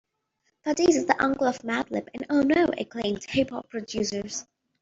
Faddis is the uncle of Madlib and Oh No, acclaimed hip-hop producers.